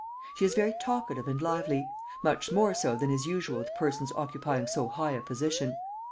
She is very talkative and lively, much more so than is usual with persons occupying so high a position.